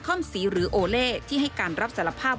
่อมศรีหรือโอเล่ที่ให้การรับสารภาพ